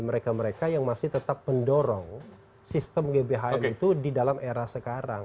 mereka mereka yang masih tetap mendorong sistem gbhn itu di dalam era sekarang